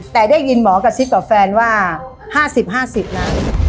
แต่ได้ยินหมอกับฟแฟนว่า๕๐๕๐นะ